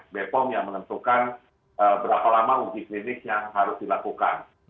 bepom yang menentukan berapa lama uji klinik yang harus dilakukan